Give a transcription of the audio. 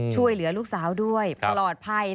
ช่วยเหลือลูกสาวด้วยปลอดภัย